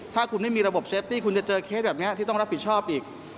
ถ้าคุณไม่มีระบบเซฟตี้คุณจะเจอเคสแบบนี้ที่ต้องรับผิดชอบอีก